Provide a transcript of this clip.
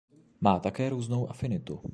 Má také různou afinitu.